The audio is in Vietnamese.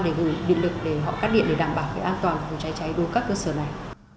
để gửi điện lực để họ cắt điện để đảm bảo cái an toàn phòng cháy cháy đối với các cơ sở này